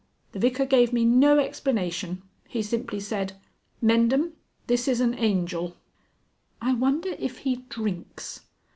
The Vicar gave me no explanation. He simply said, 'Mendham, this is an Angel.'" "I wonder if he drinks....